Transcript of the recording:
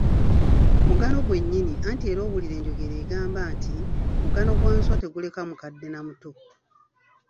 Mugano gwennyini anti era owulira enjogera egamba nti, "Mugano gwa nswa teguleka mukadde na muto".